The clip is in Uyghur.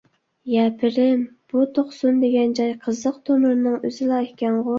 يا پىرىم، بۇ توقسۇن دېگەن جاي قىزىق تونۇرنىڭ ئۆزىلا ئىكەنغۇ.